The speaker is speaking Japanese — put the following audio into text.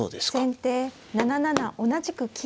先手７七同じく金。